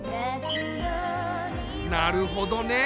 なるほどね。